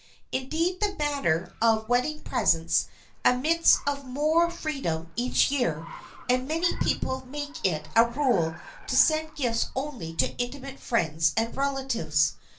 Indeed the matter of wedding presents admits of more freedom each year and many people make it a rule to send gifts only to intimate friends and relatives.